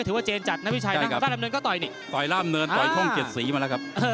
ตรงนี้แล้วก็เยี่ยมตัวละครับ